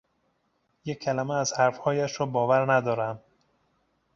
یک کلمه از حرفهایش را باور ندارم.